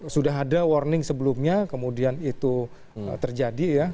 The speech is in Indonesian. sudah ada warning sebelumnya kemudian itu terjadi ya